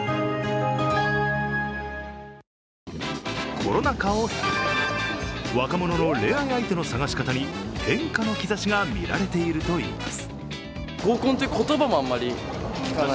コロナ禍を経て若者の恋愛相手の探し方に変化の兆しがみられているといいます。